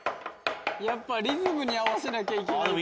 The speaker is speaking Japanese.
やっぱリズムに合わせなきゃいけないから。